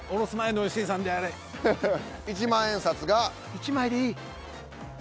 １枚でいい。